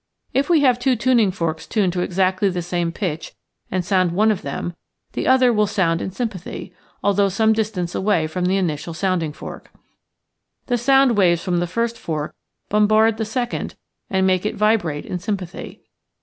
If we have two tuning forks tuned to exactly the same pitch and sound one of them, the other will sound in sympathy, al though some distance away from the initial sounding fork. The sound waves from the first fork bombard the second and make it vibrate in sympathy.